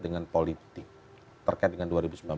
dengan politik terkait dengan